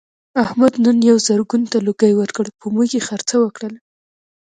احمد نن یوه زرګون ته لوګی ورکړ په موږ یې خرڅه وکړله.